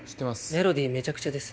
メロディーめちゃくちゃです。